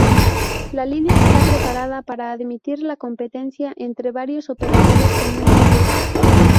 La línea está preparada para admitir la competencia entre varios operadores en un futuro.